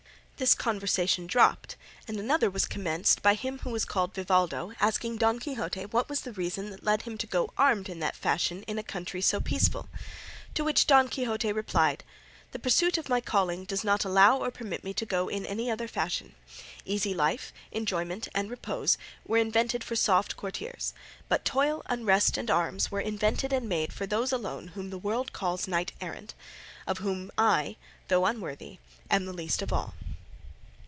This conversation dropped, and another was commenced by him who was called Vivaldo asking Don Quixote what was the reason that led him to go armed in that fashion in a country so peaceful. To which Don Quixote replied, "The pursuit of my calling does not allow or permit me to go in any other fashion; easy life, enjoyment, and repose were invented for soft courtiers, but toil, unrest, and arms were invented and made for those alone whom the world calls knights errant, of whom I, though unworthy, am the least of all."